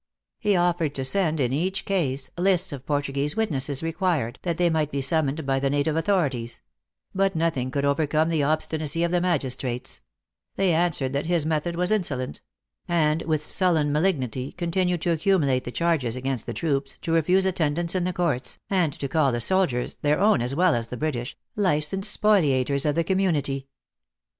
He offered to send, in each case, lists of Portuguese witnesses re quired, that they might be summoned by the native authorities; but nothing could overcome the obsti nacy of the magistrates ; they answered that his method was insolent ; and with sullen malignity con tinued to accumulate charges against the troops, to refuse attendance in the courts, and to call the sol diers, their own as well as the British, licensed spoli ators of the community.